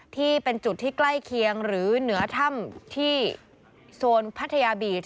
ที่เป็นจุดที่ใกล้เคียงหรือเหนือถ้ำที่โซนพัทยาบีช